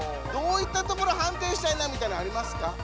どういったところ判定したいなみたいなんありますか？